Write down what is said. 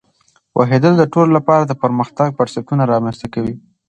پوهېدل د ټولو لپاره د پرمختګ فرصتونه رامینځته کوي.